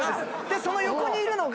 その横にいるのが。